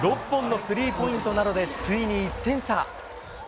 ６本のスリーポイントなどでついに１点差。